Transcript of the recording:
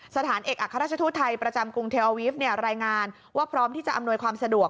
สถานเอกอัครราชทูตไทยประจำกรุงเทลอาวีฟรายงานว่าพร้อมที่จะอำนวยความสะดวก